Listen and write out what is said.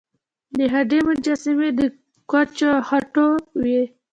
د هډې مجسمې د ګچو او خټو وې